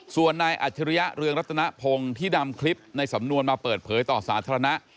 ส่วนนายอัจฉริยะเรืองรัตนพงศ์ที่นำคลิปในสำนวนมาเปิดเผยต่อสาธารณะ